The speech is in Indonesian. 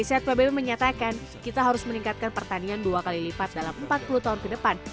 jadi kita harus meningkatkan pertanian dua kali lipat dalam empat puluh tahun ke depan